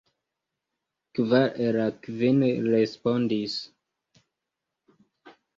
Kvar el la kvin respondis.